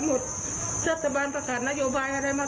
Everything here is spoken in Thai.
ทำดีทุกอย่างเพื่อหมู่พ่านเสียว่าคนที่นั้น